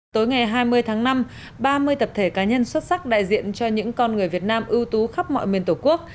tối ngày hai mươi tháng năm ba mươi tập thể cá nhân xuất sắc đại diện cho những con người việt nam ưu tú khắp mọi miền tổ quốc